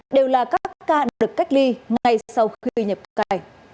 đều là các ca được cách ly ngay sau khi nhập cảnh